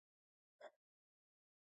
ازادي راډیو د سوله ستر اهميت تشریح کړی.